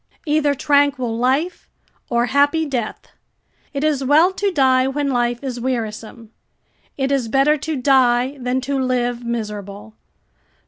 ["Either tranquil life, or happy death. It is well to die when life is wearisome. It is better to die than to live miserable."